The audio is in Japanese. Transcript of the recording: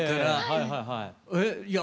はいはいはい。